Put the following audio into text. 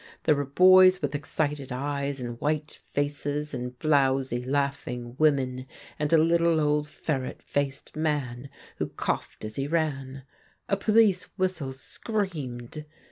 There were boj^s with excited eyes and white faces, and blowsy, laugh ing women, and a little old feiTet faced man who coughed as he ran. A police whistle screamed.